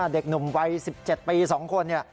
เด็กหนุ่มวัย๑๗ปี๒คนเนี่ย